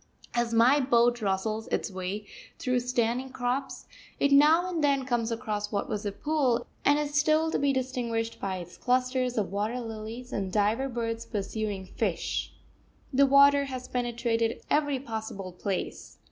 As my boat rustles its way through standing crops it now and then comes across what was a pool and is still to be distinguished by its clusters of water lilies, and diver birds pursuing fish. The water has penetrated every possible place.